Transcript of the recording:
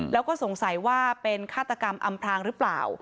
แล้วก็สงสัยว่าเป็นฆาตกรรมอำพลางหรือเปล่า